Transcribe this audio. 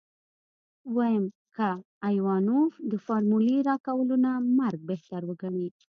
ويم که ايوانوف د فارمولې راکولو نه مرګ بهتر وګڼي.